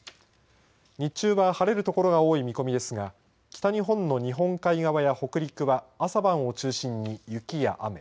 日中は晴れる所が多い見込みですが北日本の日本海側や北陸は朝晩を中心に雪や雨。